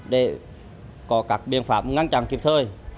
để có các biện pháp ngăn chặn kịp thời